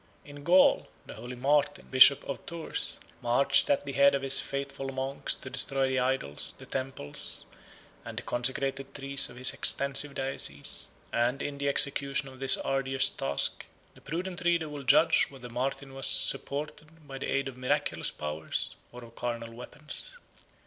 In Gaul, the holy Martin, bishop of Tours, 30 marched at the head of his faithful monks to destroy the idols, the temples, and the consecrated trees of his extensive diocese; and, in the execution of this arduous task, the prudent reader will judge whether Martin was supported by the aid of miraculous powers, or of carnal weapons.